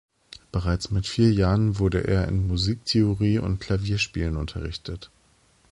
Bereits mit vier Jahren wurde er in Musik-Theorie und Klavierspielen unterrichtet.